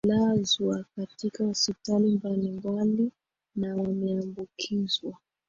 lazwa katika hospitali mbalimbali na wameambukizwa